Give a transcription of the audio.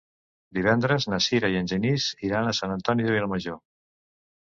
Divendres na Sira i en Genís iran a Sant Antoni de Vilamajor.